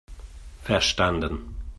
Verstanden!